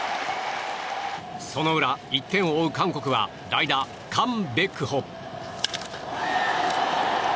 その裏１点を追う韓国は代打、カン・ベクホ。